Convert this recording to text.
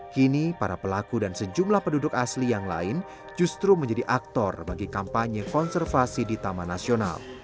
kini para pelaku dan sejumlah penduduk asli yang lain justru menjadi aktor bagi kampanye konservasi di taman nasional